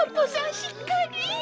しっかり。